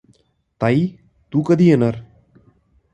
ताई तू कधी येनार?